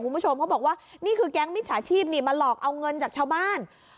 คุณผู้ชมเขาบอกว่านี่คือแก๊งมิจฉาชีพนี่มาหลอกเอาเงินจากชาวบ้าน